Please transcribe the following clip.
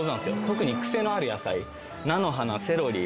特にクセのある野菜菜の花セロリ